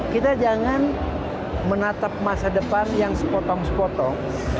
kita jangan menatap masa depan yang sepotong sepotong